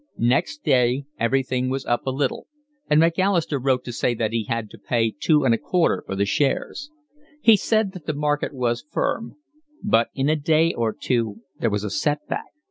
Next day everything was up a little, and Macalister wrote to say that he had had to pay two and a quarter for the shares. He said that the market was firm. But in a day or two there was a set back.